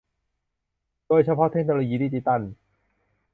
โดยเฉพาะเทคโนโลยีดิจิทัล